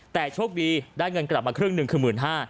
แต่โชคดีได้เงินกลับมาครึ่งหนึ่งคือ๑๕๐๐